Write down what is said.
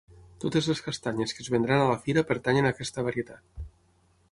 Totes les castanyes que es vendran a la fira pertanyen a aquesta varietat.